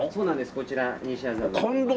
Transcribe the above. こちら西麻布の。